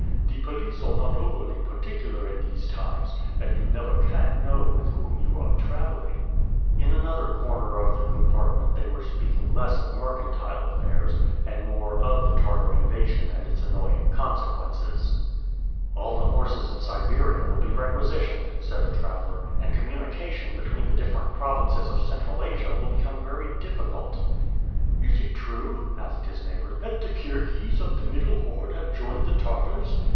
The police are not over particular in these times, and you never can know with whom you are traveling." In another corner of the compartment they were speaking less of mercantile affairs, and more of the Tartar invasion and its annoying consequences. "All the horses in Siberia will be requisitioned," said a traveler, "and communication between the different provinces of Central Asia will become very difficult." "Is it true," asked his neighbor, "that the Kirghiz of the middle horde have joined the Tartars?"